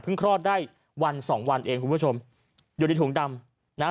คลอดได้วันสองวันเองคุณผู้ชมอยู่ในถุงดำนะฮะ